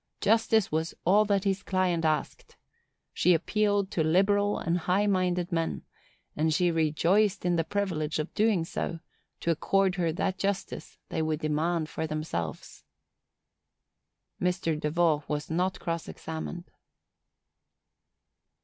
Justice was all that his client asked. She appealed to liberal and high minded men,—and she rejoiced in the privilege of doing so,—to accord her that justice they would demand for themselves. Mr. Deveaux was not cross examined.